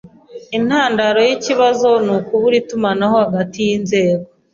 Intandaro yikibazo nukubura itumanaho hagati yinzego.